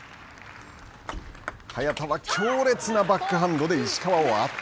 早田は強烈なバックハンドで石川を圧倒。